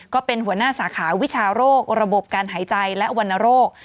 ก็เป็นหัวหน้าสาขาวิชาโรคระบบการหายใจและวรรณโรค